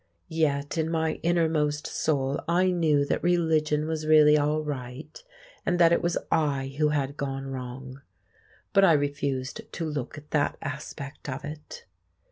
Yet in my innermost soul I knew that religion was really all right, and that it was I who had gone wrong. But I refused to look at that aspect of it.